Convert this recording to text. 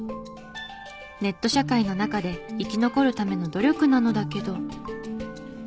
ネット社会の中で生き残るための努力なのだけど。